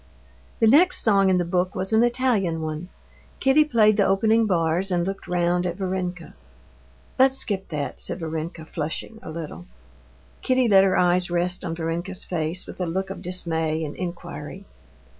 The next song in the book was an Italian one. Kitty played the opening bars, and looked round at Varenka. "Let's skip that," said Varenka, flushing a little. Kitty let her eyes rest on Varenka's face, with a look of dismay and inquiry.